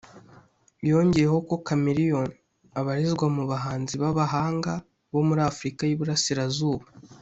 yongeyeho ko Chameleone abarizwa mu bahanzi b’abahanga bo muri Afurika y’iburasirazuba